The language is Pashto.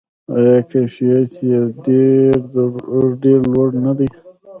آیا کیفیت یې ډیر لوړ نه دی؟